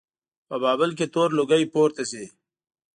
په بابل کې تور لوګی پورته شي.